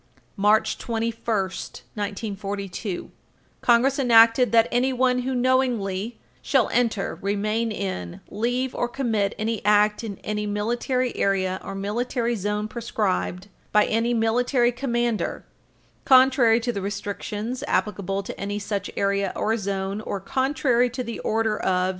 March 21, 1942, Congress enacted [Footnote 2/3] that anyone who knowingly "shall enter, remain in, leave, or commit any act in any military area or military zone prescribed ... by any military commander ... contrary to the restrictions applicable to any such area or zone or contrary to the order of